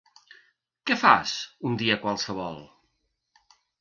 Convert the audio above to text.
Què fas, un dia qualsevol?